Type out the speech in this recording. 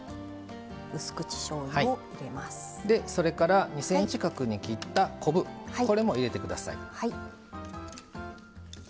それから、２ｃｍ角に切った昆布これも入れてください。